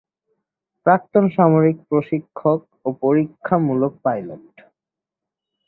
প্রাক্তন সামরিক প্রশিক্ষক ও পরীক্ষামূলক পাইলট।